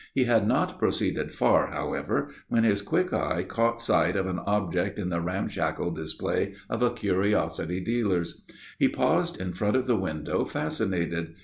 He had not proceeded far, however, when his quick eye caught sight of an object in the ramshackle display of a curiosity dealer's. He paused in front of the window, fascinated.